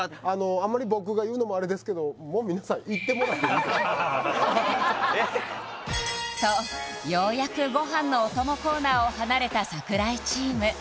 あんまり僕が言うのもあれですけどもうとようやくご飯のお供コーナーを離れた櫻井チーム